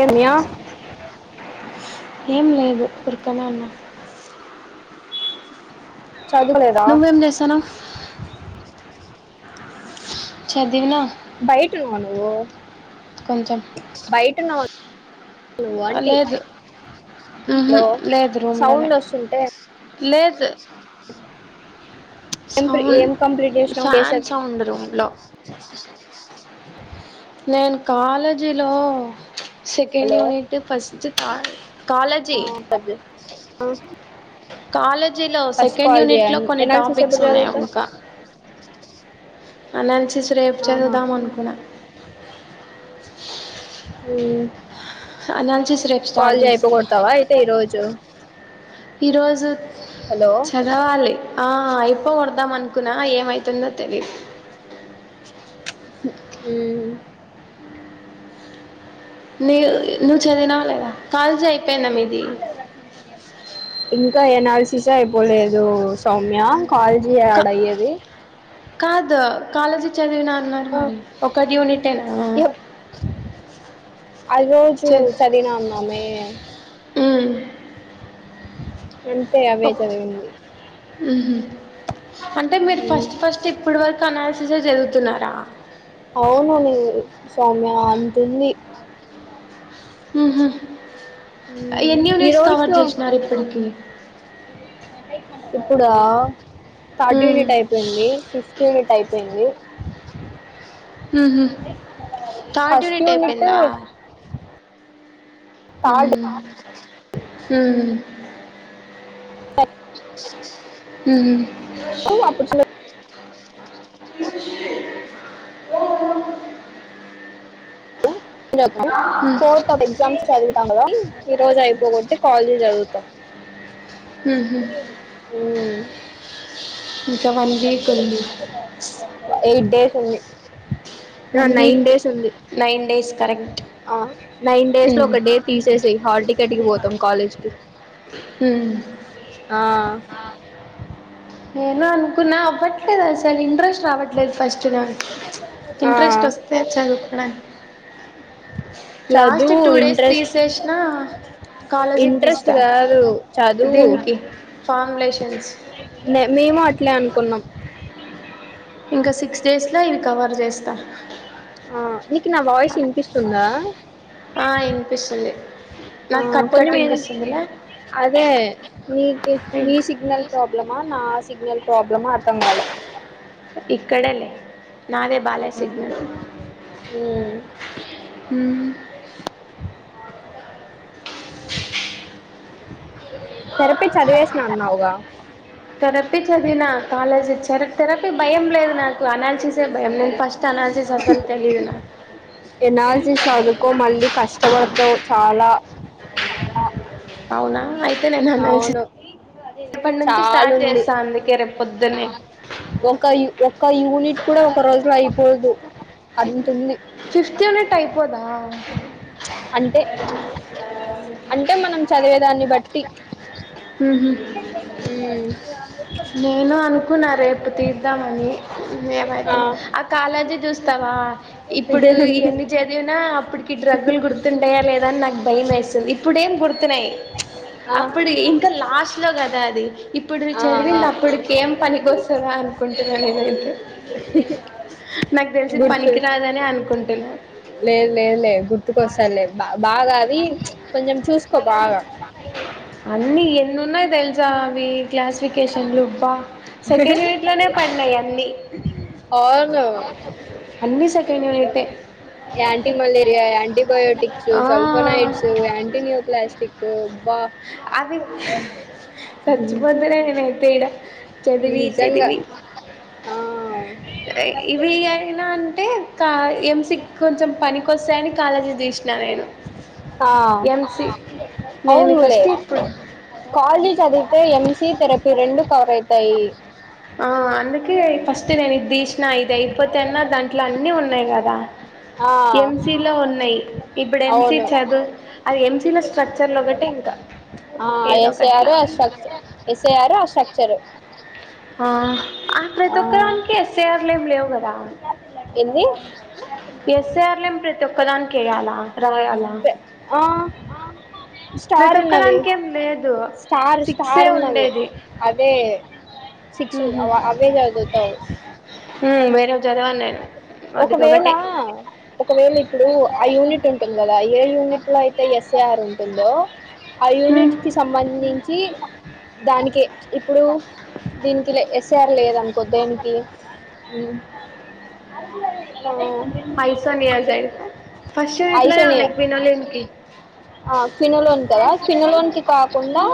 ఏమ్య ఏం లేదు ఊరకనే ఉన్న చదువులేదా నువ్వేం చేస్తానవ్ చదివిన బయట ఉన్నావా నువ్వు కొంచం బయట ఉన్నావా నువ్వు ఆంటీ లేదు హలో హ్ లేదు రూమ్ లోనే సౌండ్ వస్తుంటే లేదు ఏం ప్రి- సౌండ్ ఏం కంప్లీట్ చేసినావు చేసే ఫ్యాన్ సౌండ్ రూమ్ లొ నేను కాాలేజీలో సెకండ్ హలో యూనిట్ ఫస్ట్ కా ఆ, కాాలేజీ పెద్ద- ఆ, కాలేజీలో ఫస్ట్ సెకండ్ కాల్ యూనిట్ లో చేయాలి కొన్ని టాప్ ఎనాలిసిస్ ఎగ్జామ్స్ ఎప్పుడు ఉన్నాయి చదువుతావు ఇంకా తనని చూసి రేపు ఆహా. చదువుదాం అనుకున్నా [inaudible] ఉ అనాలిసిస్ రేపు స్టార్ట్ కాలజీ అయిపో చేస్తా కొడతావా అయితే ఈ రోజు ఈరోజు హలో చదవాలి ఆ అయిపో కొడదాం అనుకున్నా ఏమైతుందో తెలిదు ఉ నీ నువ్వు చదివినావ లేదా కాలేజ్ అయిపోయిందా మీది ఇంకా ఎనల్సిస్ ఎ అయిపోలేదు సౌమ్య కాలేజ్ కా యాడ అయ్యేది కాదు కాలేజీ చదివిన అన్నారు ఆ, మరి ఒక్క యూనిట్ ఎ నా ఆది రోజు చదివినా అన్నమే మ్మ్. అంతే అవే ఒక్ చదివింది మ్హూ. అంటే మీరు ఉమ్. ఫస్ట్ ఫస్ట్ ఇప్పడు వరకు అనాలసిస్ ఎ చదువుతున్నారా అవును నీ సౌమ్య అంతుంది మ్మ్. ఎన్ని ఈ యూనిట్స్ కవర్ రోజుతో చేసినారు ఇప్పటికి ఇప్పుడా థర్డ్ మ్మ్. యూనిట్ అయిపోయింది ఫిఫ్త్ యూనిట్ అయిపోయింది ఉ హు థార్ట్ ఫస్ట్ యూనిట్ అయిపోయిందా థర్డ్ ఉ ఉ ఉ టూ ఆపోర్ర్చునేట్ [inaudible] ఇదో కాల్ అ ఫోర్త్ అ ఎగ్జామ్స్ చదువుతాం కదా ఈ రోజు అయిపోగట్టి కాలేజీ చదువుతాం మ్హూ. ఉ ఇంకా వన్ వీక్ ఉంది ఎయిట్ డేస్ ఉంది ఆ వన్ నైన్ వీక్ డేస్ ఉంది నైన్ డేస్ కరెక్ట్ ఆ నైన్ డేస్ లో మ్మ్. ఒక డే తీసేసేయ్ హల్ టికెట్ కి పోతాం కాలేజ్ కి హ్మ్ ఆ నేను అనుకున్నా అవ్వట్లేదు అసలు ఇంట్రెస్ట్ రావట్లేదు ఫస్ట్ నాకు ఆ ఇంట్రెస్ట్ వస్తలేదు చదువుకోవడానికి లాస్ట్ చదువు టూ డేస్ ఇంట్రెస్ట్ తీసేసినా కాలేజీకి ఇంట్రెస్ట్ తీస్తారు కాదు చదువు ఫాం లేషన్ లే మేము అట్లే అనుకున్నాం ఇంకా సిక్స్ డేస్లో ఇవి కవర్ చేస్తా ఆ నీకు నా వాయిస్ ఇనిపిస్తుందా ఆ నాకు కట్ కట్ వినిపిస్తుంది అదే నీ నీ సిగ్నల్ ప్రాబ్లమా నా సిగ్నల్ ప్రాబ్లమా అర్థం అవ్వాలె ఇక్కడే లే నాదే బాలే సిగ్నల్ ఉమ్. హ [inaudible] థెరపీ చదివేసిన అన్నావుగా కరెక్టే చదివిన కాలేజ్ థెరపీ థెరపీ భయం లేదు నాకు అనాలిసిసే భయం నేను ఫస్ట్ అనాలిసిస్ అసలు తెలిదు నాకు అనాలసిస్ చదువుకో మళ్ళీ కష్టపడతావ్ చాలా అవునా అయి అవును నుంచి స్టార్ట్ చాలుంది చేస్తా అందుకే రేపు పొద్దున్నే ఒక ఒక యు ఒక యూనిట్ కూడా ఒక రోజు లో అయిపోదు అంతుంది. Fifth unit అయిపోదా? అంతే అంటే మనం చదివేదాన్ని బట్టి ఉహు ఉమ్ నేను అనుకున్నా రేపు తీద్దామని మేమైతే ఆ కాలేజీ చూస్తావా? ఆ ఇప్పుడు ఎన్ని చదివిన అప్పటికి డ్రగగులు గుర్తుంటాయా లేదా అని నాకు భయం వేసింది ఇప్పుడేం గుర్తున్నాయి. ఆ, అప్పుడు ఇంకా లాస్ట్ లో కదా అది ఇప్పుడు ఆ, ఆ. చదివింది అప్పటిక ఏం పనికొస్తదా అనుకుంటున్నా నేనైతే నాకు తెలిసి గుర్తు పనికి రాదని అనుకుంటున్నా లేదు లేదు లే గుర్తుకొస్తాదిలే బా బాగా అది కొంచెం చూసుకో బాగా అన్ని ఎన్నున్నాయి తెలుసా అవి క్లాసిఫికేషన్ లు అబ్బా సెకండ్ యూనిట్ లోనే పడినాయి అన్ని అవును అన్ని second unit anti malaria, antibiotics ఆ సల్ఫనైట్స్, ఆంటినుక్లాస్టిక్ అబ్బా సచ్చిపోతడేనే అయితే ఇగ చదివి నిజంగా చదివి ఆ, ఇవి అయిన అంతే కా ఎం సీ కి కొంచెం పనికొస్తాయని కాలజీ దిశిన ఆ ఎం సి అవునులే కాలి చదివితే ఎం సీ తెరపి ఆ అందుకే ఫస్ట్ నేను ఇద్ దిషి నా ఇది అయిపోతేన్నా దాంట్లో అన్నీ ఉన్నాయి కదా! ఆ ఎం సి లో ఉన్నాయి. ఇప్పుడు ఎం సి అవును చదువు అది ఎం సీ లో స్ట్రక్చర్ లో ఒక టింకా ఆ ఎస్ ఏ ఆరు ఆ స్ట్రక్చర్ ఎస్ ఏ ఆరు ఆ స్ట్రక్చరూ ఆ ప్రతి ఆ ఒక్కదానికి ఎస్ ఏ ఆర్ లు ఏమి లేవు. ఏంది ఎస్ ఏ ఆర్ల ఎమ్ ప్రతే ఒక్కదానికి ఏయాలా? రాయలా? ఆ ప్రతి స్టార్ ఒక్క ఉన్నవి దానికే లేదు స్టార్ సిక్సే స్టార్ ఉన్నవి ఉండేది. అదే సిక్స్ అవే చదువుతావు ఉ వేరే చదివాన్ నేను వాటికి ఒకవేళ ఒకటే ఒకవేళ ఇప్పుడు ఆ యూనిట్ ఉంటుంది. గల ఏ యూనిట్ లో అయితే ఎస్ ఏ ఆర్ ఉంటుందో ఆ యూనిట్ కి సంబంధించి దానికి ఇప్పుడు దీనికి ఎస్ ఏ ఆర్ లేద అనుకో దేనికి ఉమ్ హైసానియాసైడ్ ఫస్ట్ ఇట్లానే ఉన్నాయి ఫినైనల్కి ఆ ఫనులోన్ కదా ఫనులోన్ కి కాకుండా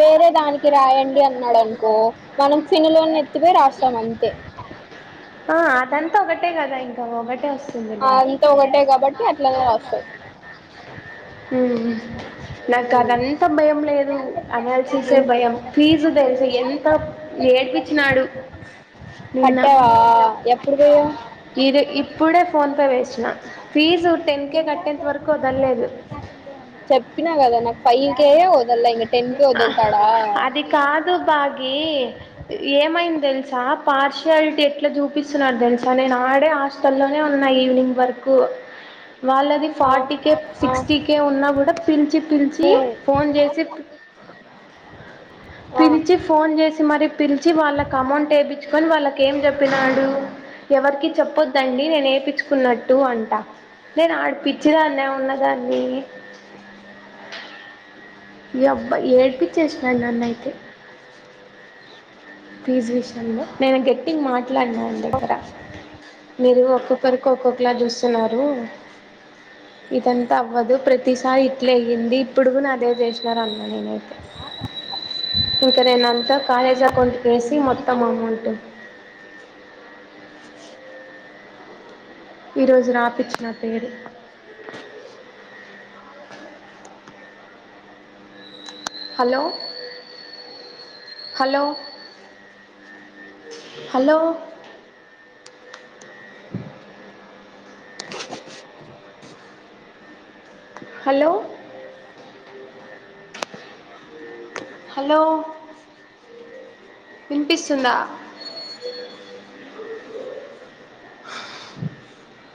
వేరే దానికి రాయండి అన్నాడు. అనుకో మనం ఫినులోని ఎత్తిమే రాస్తాం అంతే ఆ అదంతా ఒగటే గదా ఇంకా ఒగటే వస్త అంతా ఒకటే కాబట్టి అట్లనే రాస్తాం హ్మ్. నాకు ఉమ్. అదంత భయం లేదు అనాలసిసే భయం ఫీజు తెలిసు ఎంత ఏేడిపచ్చినాడు నిన్న కట్టావా ఎప్పుడు పోయావు ఇది ఇప్పుడే ఫోన్పే వేసిన ఫీస్ చెప్పినా కదా నాకు ఫైవ్ కేయ వదల ఇ ఆ అది కాదు బగి ఏమైంది తెలుసా పార్షయాలిటీ ఎట్లా చూపిస్తున్నారు తెలుసా నేను ఆడే హాస్టల్లోనే ఉన్నా ఈవినింగ్ వర్క్ హ వాళ్ళది ఆ, ఫార్టీక ఆ, సిక్స్టీకే ఉన్నా కూడా పిలిచి పిలిచి ఏ, ఫోన్ చేసి ఆ. పిలిచి ఫోన్ చేసి మరి పిలిచి వాళ్ళకు అమౌంట్ వేయిచ్చుకొని వాళ్ళక ఏం చెప్పినాడు ఎవరికి చెప్పొద్దండి నేనే ఏేపించుకున్నట్టు అంటా నేను ఆడిపించినాన్న ఉన్నదాన్ని అ మీ అబ్బాయి ఏడిపచ్చేసినాను నన్నుయితే ప్లీజ్ విషయంలో నేను గెట్టింగ్ మాట్లాడినాను దగ్గర మీరు ఒక్కొక్కరు కోక్కో క్లా చూస్తున్నారు ఇదంతా అవ్వదు ప్రతిసారి ఇట్లే అయ్యింది ఇప్పుడుగు నాదే చేసినార అన్న నేనైతే స ఇంకాదే నా అంతా కాలేజ్ అక కేసీ మొత్తం అమౌంట్ు ఈరోోజు రాపచ్చిన పేరు హలో హలో హలో అంది హలో హలో వినిపిస్తుందా అంది